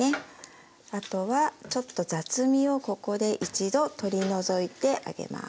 あとはちょっと雑味をここで一度取り除いてあげます。